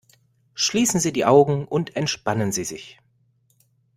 Schließen Sie die Augen und entspannen Sie sich!